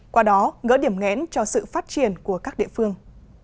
qua đó gỡ điểm nghẽn cho sự phát triển của các địa phương